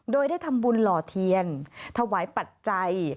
โดยได้ทำบุญหล่อเทียนถวายปัจจัย